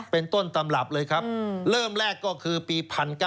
เป็นต้นตำรับเลยครับเริ่มแรกก็คือปี๑๙๙